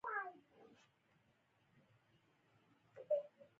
دا ډیره ښه خبره ده